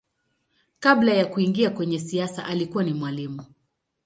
Kabla ya kuingia kwenye siasa alikuwa ni mwalimu.